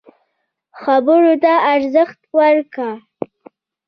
خبرو ته ارزښت ورکړه.